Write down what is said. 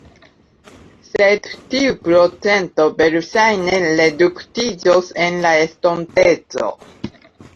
Sed tiu procento verŝajne reduktiĝos en la estonteco..